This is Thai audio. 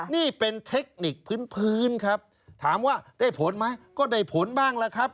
นี่เป็นเทคนิคพื้นครับถามว่าได้ผลไหมก็ได้ผลบ้างล่ะครับ